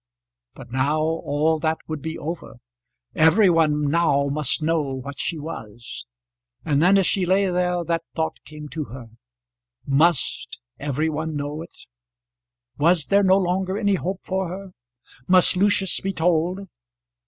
But now all that would be over. Every one now must know what she was. And then, as she lay there, that thought came to her. Must every one know it? Was there no longer any hope for her? Must Lucius be told?